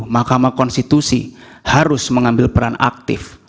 mahkamah konstitusi harus mengambil peran aktif